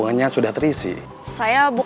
pada sampai mana dia